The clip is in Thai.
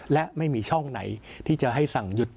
และไม่มีช่องไหนที่จะให้สั่งหยุด